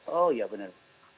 oh ya benar